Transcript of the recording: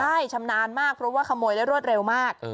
ใช่ชำนาญมากเพราะว่าขโมยได้รวดเร็วมาก